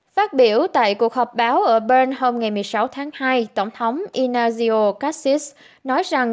phát biểu tại cuộc họp báo ở bern hôm một mươi sáu tháng hai tổng thống inazio cassis nói rằng